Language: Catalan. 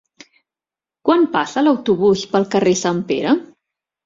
Quan passa l'autobús pel carrer Sant Pere?